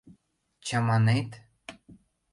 Чаманет?!